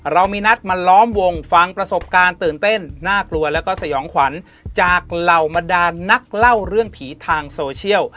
เรามีนัดมาล้อมวงฟังประสบการณ์ตื่นเต้นน่ากลัวแล้วก็สยองขวัญจากเหล่าบรรดานนักเล่าเรื่องผีทางโซเชียล